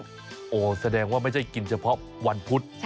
โหแสดงว่ามันไม่ใช่กินเฉพาะวันพุต